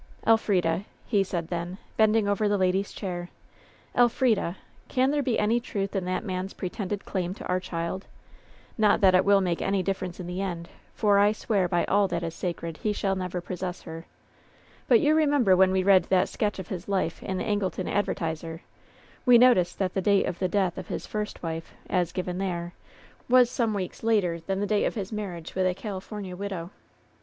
*' "Elf rida," he said then, bending over the lady's chair, "Elfridal can there be any truth in that man'3 pre tended claim to our child ? Not that it will make any difference in the end, for I swear by all that is sacred, he shall never possess her ! But you remember when we read that sketch of his life in the Angleton Advertiser, we noticed that the date of the death of his first wife, as given there, was some weeks later than the date of his marriage with the California widow."